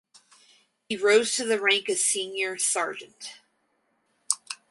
He rose to the rank of senior sergeant.